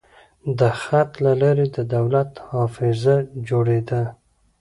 د خط له لارې د دولت حافظه جوړېده.